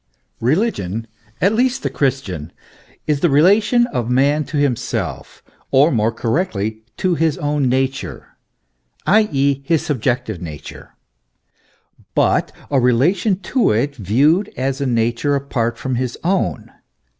Eeligion, at least the Christian, is the relation of man to 14 THE ESSENCE OF CHRISTIANITY. liimself, or more correctly to his own nature (i.e., his sub jective nature) ;* hut a relation to it, viewed as a nature apart from his own.